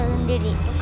apaan tuh kak